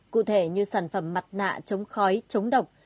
cụ thể như sản phẩm mặt nạ chống khói chống độc